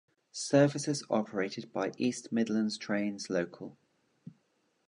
Services are operated by East Midlands Trains Local.